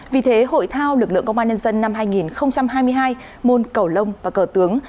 vì thế hội thao lực lượng công an nhân dân năm hai nghìn hai mươi hai môn cầu lông và cờ tướng